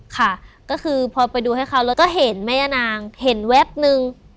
ค่ะก็คือพอไปดูให้เขาแล้วก็เห็นแม่ย่านางเห็นแวบนึง